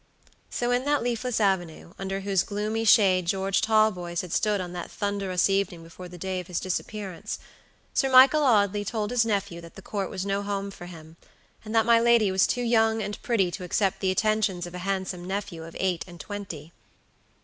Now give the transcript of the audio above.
So in that leafless avenue, under whose gloomy shade George Talboys had stood on that thunderous evening before the day of his disappearance, Sir Michael Audley told his nephew that the Court was no home for him, and that my lady was too young and pretty to accept the attentions of a handsome nephew of eight and twenty.